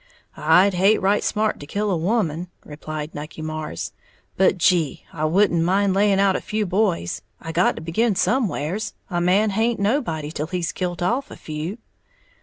"I'd hate right smart to kill a woman," replied Nucky Marrs; "but gee, I wouldn't mind laying out a few boys. I got to begin somewheres, a man haint nobody till he's kilt off a few!"